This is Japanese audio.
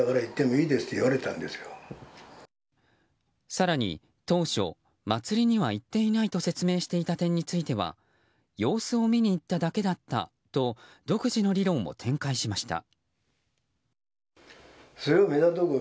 更に、当初、祭りには行っていないと説明していた点については様子を見に行っただけだったと独自の理論を展開しました。